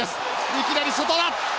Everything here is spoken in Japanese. いきなり外だ！